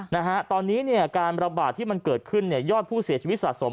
นะฮะตอนนี้เนี่ยการระบาดที่มันเกิดขึ้นเนี่ยยอดผู้เสียชีวิตสะสม